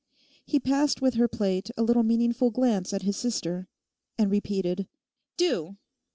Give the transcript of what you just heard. He passed with her plate a little meaningful glance at his sister, and repeated, 'Do!